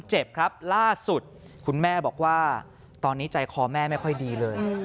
เจ็บครับล่าสุดคุณแม่บอกว่าตอนนี้ใจคอแม่ไม่ค่อยดีเลย